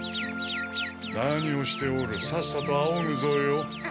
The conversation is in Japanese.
なにをしておるさっさとあおぐぞよ。